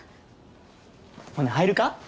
ほな入るか？